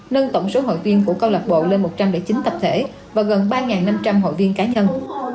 nâng tổng số hội viên của câu lạc bộ lên một trăm linh chín tập thể và gần ba năm trăm linh hội viên cá nhân